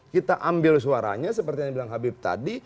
kita ambil suaranya seperti yang bilang habib tadi